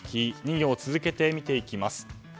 ２行続けて見ていきます。